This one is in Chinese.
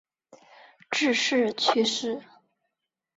致仕去世。